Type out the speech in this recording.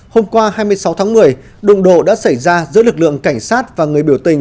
hôm qua hai mươi sáu tháng một mươi đụng độ đã xảy ra giữa lực lượng cảnh sát và người biểu tình